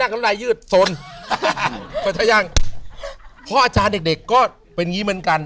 คือแย่พออาชาราญเด็กก็เป็นเงี้ย์เหมือนกัน